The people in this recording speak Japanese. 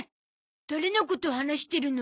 誰のこと話してるの？